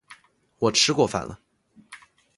我吃过饭了